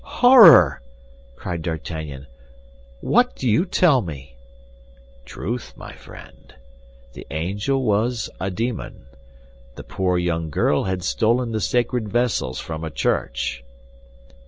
"Horror!" cried D'Artagnan. "What do you tell me?" "Truth, my friend. The angel was a demon; the poor young girl had stolen the sacred vessels from a church."